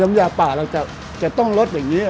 น้ำยาป่าจะต้องชอบแบบนี้